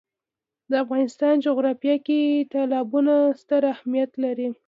د افغانستان جغرافیه کې تالابونه ستر اهمیت لري.